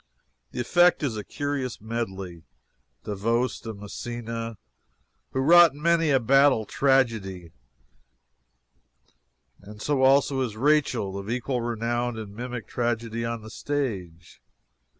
The effect is a curious medley. Davoust and Massena, who wrought in many a battle tragedy, are here, and so also is Rachel, of equal renown in mimic tragedy on the stage.